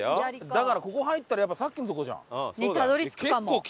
だからここ入ったらやっぱさっきのとこじゃん。